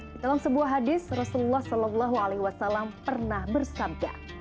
dalam sebuah hadis rasulullah saw pernah bersabda